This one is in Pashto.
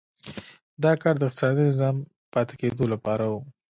دا کار د اقتصادي نظام پاتې کېدو لپاره و.